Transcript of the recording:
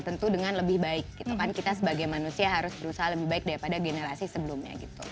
tentu dengan lebih baik gitu kan kita sebagai manusia harus berusaha lebih baik daripada generasi sebelumnya gitu